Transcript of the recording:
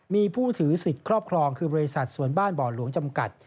มีผู้ถือสิทธิ์ครอบครองคือบริษัทสวนบ้านบ่อหลวงจำกัด